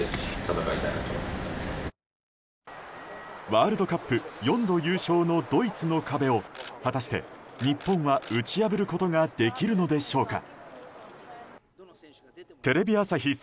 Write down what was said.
ワールドカップ４度優勝のドイツの壁を果たして、日本は打ち破ることができるのでしょうか。